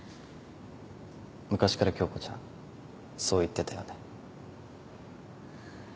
昔から恭子ちゃんそう言ってたよね。